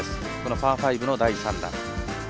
パー５の第３打。